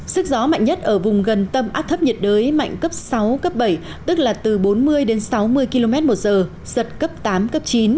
sức gió mạnh nhất ở vùng gần tâm áp thấp nhiệt đới mạnh cấp sáu cấp bảy tức là từ bốn mươi đến sáu mươi km một giờ giật cấp tám cấp chín